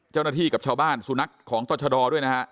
เจ้าหน้าที่กับชาวบ้านสุนัขของต่อชะดอด้วยนะฮะ